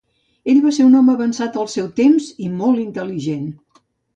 Ell va ser un home avançat al seu temps, i molt intel·ligent.